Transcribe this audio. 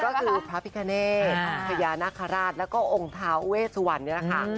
ก็คือพระพิกาเนสพญานคราชแล้วก็องเท้าเวสุวรรณนี่นะคะ